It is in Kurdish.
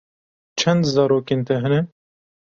Çend zarokên te hene?